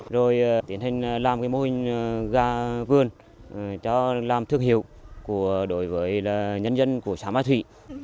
rồi tiến hành làm mô hình gà vườn cho làm thương hiệu đối với nhân dân của xã ma thủy